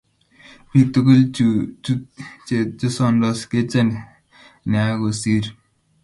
Bik tugul chu che chesondos kechen nea kosir